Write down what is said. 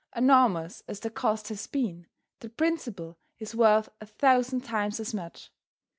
Enormous as the cost has been the principle is worth a thousand times as much.